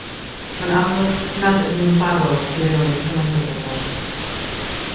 Mae'n amlwg nad ydyn nhw'n barod i reoli cymaint o bobl